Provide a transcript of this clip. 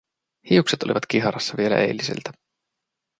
Hiukset olivat kiharassa vielä eiliseltä.